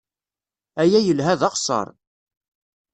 Aya yelha d axeṣṣar.